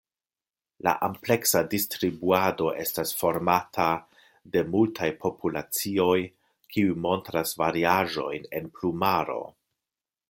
La ampleksa distribuado estas formata de multaj populacioj kiuj montras variaĵojn en plumaro.